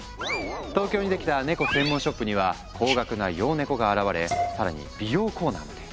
東京にできたネコ専門ショップには高額な洋ネコが現れ更に美容コーナーまで！